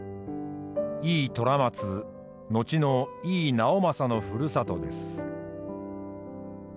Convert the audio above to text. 井伊虎松後の井伊直政のふるさとです。